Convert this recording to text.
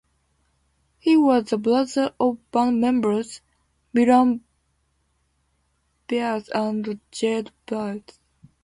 He was the brother of band members Milam Byers and Jared Byers.